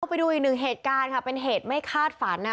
ไปดูอีกหนึ่งเหตุการณ์ค่ะเป็นเหตุไม่คาดฝันนะ